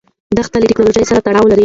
دښتې له تکنالوژۍ سره تړاو لري.